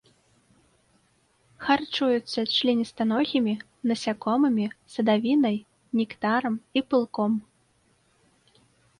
Харчуюцца членістаногімі, насякомымі, садавінай, нектарам і пылком.